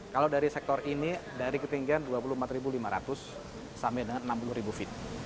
kalau dari sektor ini dari ketinggian dua puluh empat lima ratus sampai dengan enam puluh feet